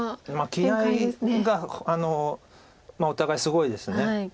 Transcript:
気合いがお互いすごいです。